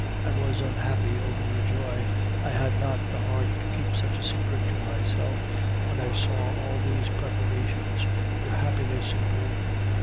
"'I was unhappy over your joy; I had not the heart to keep such a secret to myself when I saw all these preparations, your happiness in bloom.